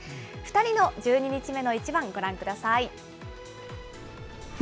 ２人の１２日目の一番、ご覧ください。